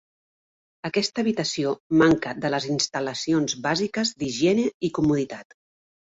Aquesta habitació manca de les instal·lacions bàsiques d'higiene i comoditat.